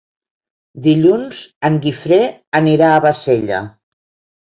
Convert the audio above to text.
Dilluns en Guifré anirà a Bassella.